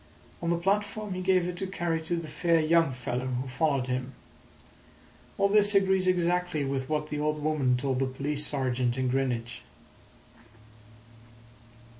On the platform he gave it to carry to the fair young fellow who followed him. All this agrees exactly with what the old woman told the police sergeant in Greenwich."